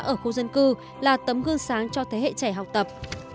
ở khu dân cư là tấm gương sáng cho thế hệ trẻ học tập